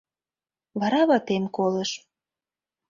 Вара ватем колыш...